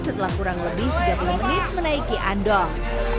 setelah kurang lebih tiga puluh menit menaiki andong